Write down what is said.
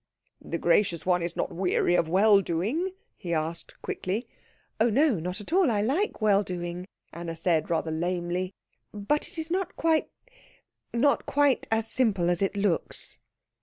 "The gracious one is not weary of well doing?" he asked quickly. "Oh no, not at all; I like well doing," Anna said rather lamely, "but it is not quite not quite as simple as it looks."